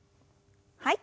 はい。